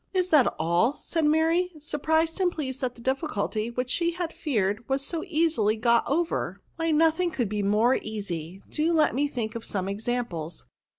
Is that all ?" said Mary, surprised and pleased that the difficulty, which she had feared, was so easily got over ;" why no thing can be more easy ; do let me think of some examples.